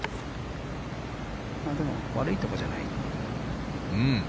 でも悪いとかじゃない。